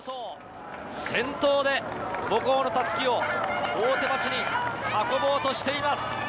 先頭で母校の襷を大手町に運ぼうとしています。